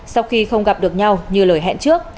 sau khi không gặp được nhau như lời hẹn trước